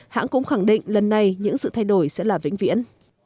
hãng cũng khẳng định lần này những sự thay đổi sẽ là vĩnh viễn